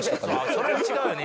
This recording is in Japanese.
それは違うよね